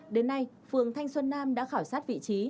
đến nay phường thanh xuân nam đã khảo sát vị trí